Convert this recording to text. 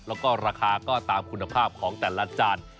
แล้วก็ราคาก็ตามคุณภาพของแต่ละจาน